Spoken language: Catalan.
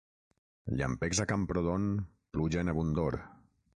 Llampecs a Camprodon, pluja en abundor.